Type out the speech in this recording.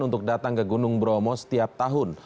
untuk datang ke gunung bromo setiap tahun